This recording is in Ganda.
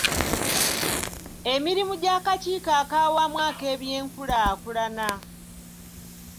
Emirimu gy'akakiiko ak'awamu ak'ebyenkulaakulana.